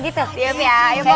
gitu tiup ya